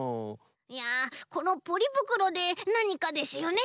いやこのポリぶくろでなにかですよね？